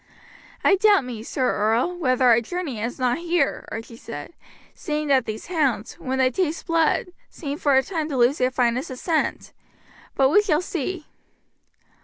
"I doubt me, Sir Earl, whether our journey ends not here," Archie said, "seeing that these hounds, when they taste blood, seem for a time to lose their fineness of scent; but we shall see."